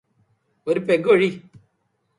ഒരു പെഗ്ഗൊഴി.